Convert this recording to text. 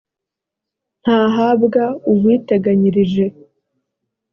ntahabwa uwiteganyirije